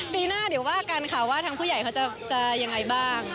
ปีหน้าเดี๋ยวว่ากันค่ะว่าทางผู้ใหญ่เขาจะยังไงบ้าง